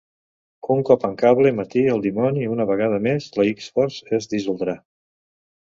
Un cop en Cable mati el dimoni una vegada més, la X-Force es dissoldrà.